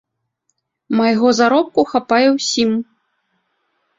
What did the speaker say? Майго заробку хапае ўсім.